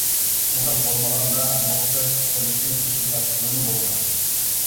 ئۇنداق بولمىغاندا مۇخبىر بولۇشتىن سۆز ئاچقىلىمۇ بولمايدۇ.